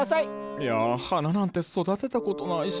いや花なんて育てたことないし。